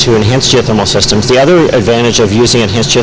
pada sisi lain menggunakan sistem geotermal yang lebih meningkat